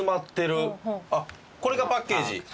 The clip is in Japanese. これがパッケージ？